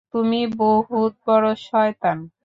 তুমি বহুত বড় শয়তান!